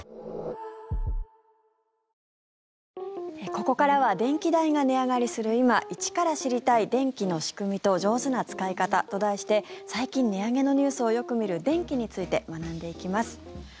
ここからは電気代が値上がりする今一から知りたい電気の仕組みと上手な使い方と題して最近値上げのニュースをよく見る電気について学んでいきます。